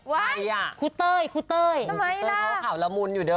ใครล่ะคุ้เต้ยคุ้เต้ยคุ้เต้ยเขาข่าวละมุนอยู่เด้อ